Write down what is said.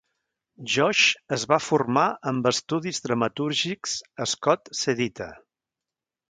Josh es va formar amb estudis dramatúrgics Scott Sedita.